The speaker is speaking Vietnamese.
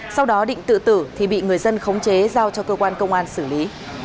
sau đó định tự tử thì bị người dân khống chế giao cho cơ quan công an xử lý